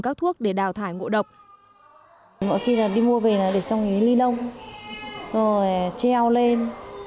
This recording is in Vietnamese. các thuốc để đào thải ngộ độc mỗi khi đi mua về là để trong cái ly lông rồi treo lên